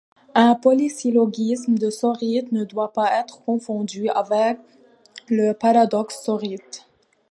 Un polysyllogisme de sorite ne doit pas être confondu avec le paradoxe sorite.